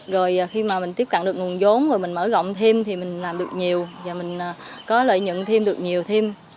rồi khi mà mình tiếp cận được nguồn vốn rồi mình mở rộng thêm thì mình làm được nhiều và mình có lợi nhận thêm được nhiều thêm